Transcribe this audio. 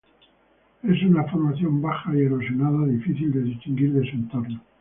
Es una formación baja y erosionada, difícil de distinguir de su entorno.